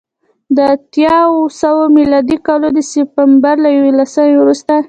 د اتیا اوه سوه میلادي کال د سپټمبر له یوولسمې وروسته